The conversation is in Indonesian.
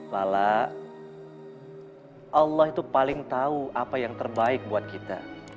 lala allah itu paling tahu apa yang terbaik buat kita